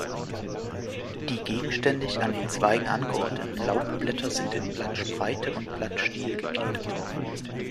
Die gegenständig an den Zweigen angeordneten Laubblätter sind in Blattspreite und Blattstiel gegliedert.